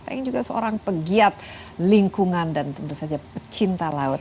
sayang juga seorang pegiat lingkungan dan tentu saja pecinta laut